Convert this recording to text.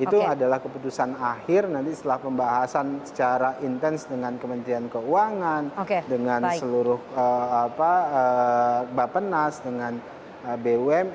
itu adalah keputusan akhir nanti setelah pembahasan secara intens dengan kementerian keuangan dengan seluruh bapenas dengan bumn